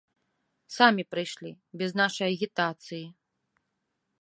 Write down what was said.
Самі прыйшлі, без нашай агітацыі.